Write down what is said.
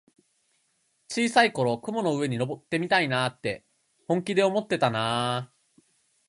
小さい頃、雲の上に乗ってみたいって本気で思ってたなあ。